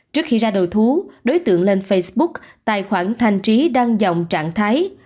trước khi ra đầu thú đối tượng lên facebook tài khoản thành trí đăng dòng trạng thái